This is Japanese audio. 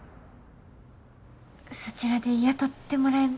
そちらで雇ってもらえ。